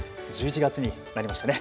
１１月になりましたね。